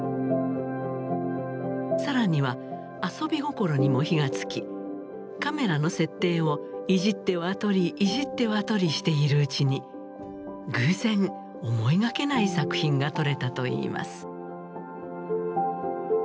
更には遊び心にも火がつきカメラの設定をいじっては撮りいじっては撮りしているうちに偶然思いがけない作品が撮れたといいます。